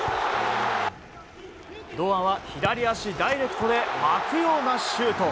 堂安は左足ダイレクトで巻くようなシュート。